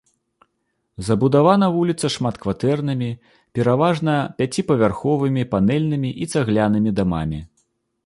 Забудавана вуліца шматкватэрнымі, пераважна пяціпавярховымі панэльнымі і цаглянымі дамамі.